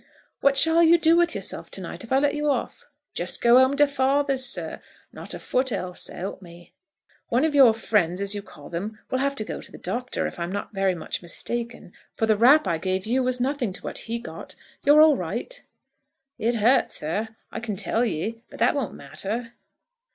"What shall you do with yourself, to night, if I let you off?" "Just go home to father's, sir; not a foot else, s'help me." "One of your friends, as you call them, will have to go to the doctor, if I am not very much mistaken; for the rap I gave you was nothing to what he got. You're all right?" "It hurt, sir, I can tell ye; but that won't matter."